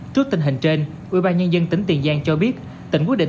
trước tình hình trên ubnd tỉnh tiền giang cho biết tỉnh quyết định